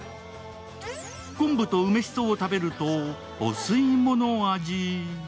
こんぶと梅しそを食べるとお吸い物味。